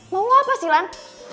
mau ngapa sih lan